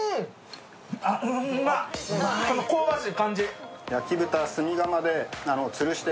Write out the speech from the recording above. この香ばしい感じ。